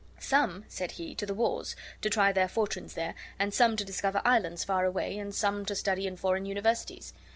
"Some," said he, "to the wars, to try their fortunes there, and some to discover islands far away, and some to study in foreign universities.